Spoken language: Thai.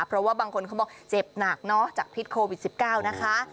เพราะว่าบางคนเขาบอกเจ็บหนักเนอะจากพิษโควิด๑๙นะคะ